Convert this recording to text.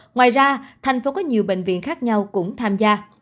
ngoài ra tp hcm có nhiều bệnh viện khác nhau cũng tham gia